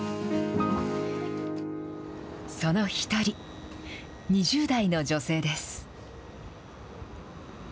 その一人、２０代の女性です。